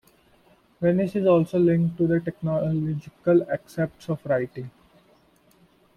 Venice is also linked to the technological aspects of writing.